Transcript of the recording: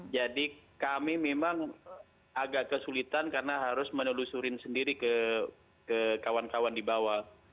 jadi kami memang agak kesulitan karena harus menyelusuri sendiri ke kawan kawan di bawah